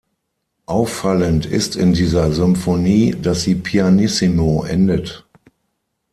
Auffallend ist in dieser Symphonie, dass sie pianissimo endet.